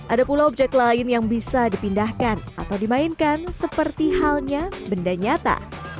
ada pula objek lain yang bisa dipindahkan atau dimainkan seperti halnya benda nyata